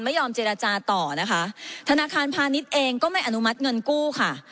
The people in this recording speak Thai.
ไม่ยอมเจรจาต่อนะคะธนาคารพาณิชย์เองก็ไม่อนุมัติเงินกู้ค่ะ